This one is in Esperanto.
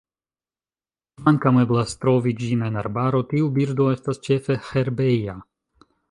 Kvankam eblas trovi ĝin en arbaro, tiu birdo estas ĉefe herbeja.